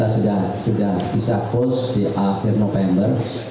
jadi kita sudah bisa close di akhir november